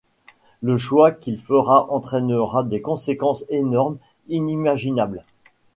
Le choix qu'il fera entraînera des conséquences énormes, inimaginables.